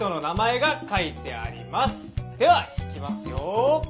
では引きますよ。